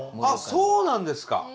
あそうなんですか。